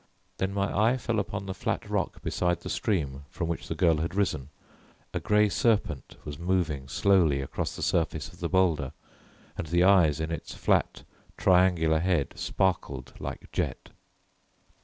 Then my eye fell upon the flat rock beside the stream from which the girl had risen. A grey serpent was moving slowly across the surface of the boulder, and the eyes in its flat triangular head sparkled like jet.